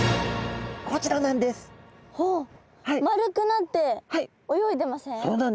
丸くなって泳いでません？